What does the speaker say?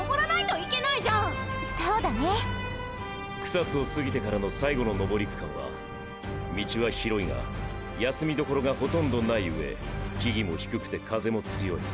草津を過ぎてからの最後の登り区間は道は広いが休みどころがほとんどないうえ木々も低くて風も強い。